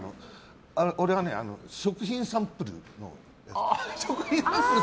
俺は食品サンプルのやつ。